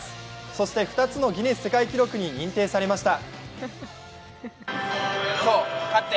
そして２つのギネス世界に認定されました。